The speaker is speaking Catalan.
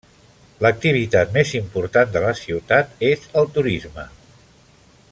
L'activitat més important de la ciutat és el turisme.